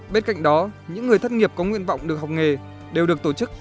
bên cạnh đó những người thất nghiệp có nguyện vọng được học nghề đều được tổ chức